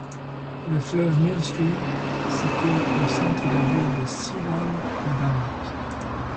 Le fleuve Mølleåen s'écoule au centre de l'île de Seeland au Danemark.